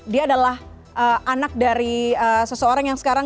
dia adalah anak dari seseorang yang sekarang